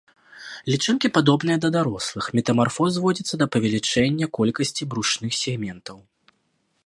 Лічынкі падобныя да дарослых, метамарфоз зводзіцца да павелічэння колькасці брушных сегментаў.